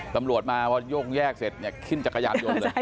ตำรวจมาพอโยงแยกเสร็จขึ้นจักรยานโยนเลย